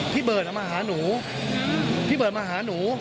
พี่เบิร์ดมาหาหนูพี่เบิร์ดมาหาหนู